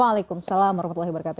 waalaikumsalam warahmatullahi wabarakatuh